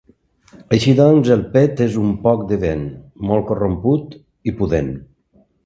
Així doncs, el pet és un poc de vent, molt corromput i pudent.